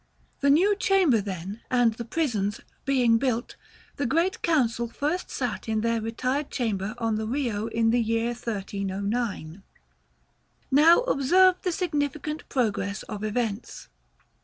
The new chamber, then, and the prisons, being built, the Great Council first sat in their retired chamber on the Rio in the year 1309. § XVI. Now, observe the significant progress of events.